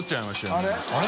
あれ？